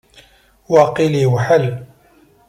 Waqil yewḥel.